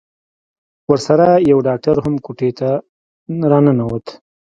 ورسره يو ډاکتر هم کوټې ته راننوت.